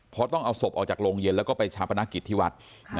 เพราะต้องเอาศพออกจากโรงเย็นแล้วก็ไปชาปนกิจที่วัด